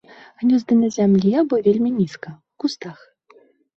Гнёзды на зямлі або вельмі нізка, у кустах.